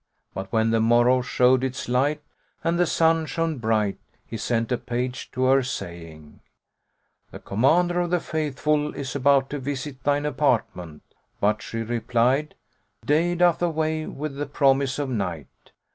But, when the morrow showed its light and the sun shone bright, he sent a page to her saying, "The Commander of the Faithful is about to visit thine apartment;" but she replied, "Day doth away with the promise of night."